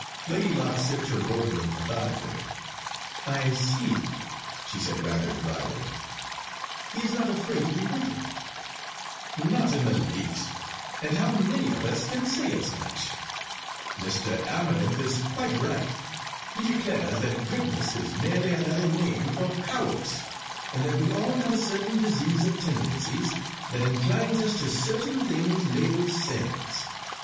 Lady Locke sipped her Bovril methodically. "I see," she said rather drily; "he is not afraid to be wicked." "Not in the least; and how many of us can say as much? Mr. Amarinth is quite right. He declares that goodness is merely another name for cowardice, and that we all have a certain disease of tendencies that inclines us to certain things labelled sins.